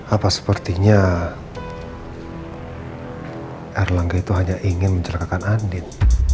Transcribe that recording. apa sepertinya erlangga itu hanya ingin mencelakakan andin